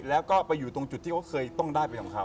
แล้วก็ไปอยู่ตรงจุดที่เขาเคยต้องได้เป็นของเขา